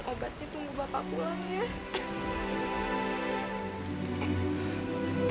obatnya tunggu bapak pulang ya